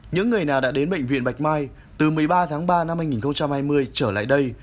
những người nào đã đến bệnh viện bạch mai từ một mươi ba tháng ba năm hai nghìn hai mươi trở lại đây